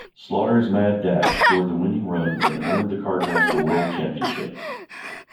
"Slaughter's Mad Dash" scored the winning run and earned the Cardinals the world championship.